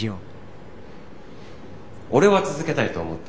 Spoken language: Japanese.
俺は続けたいと思ってる。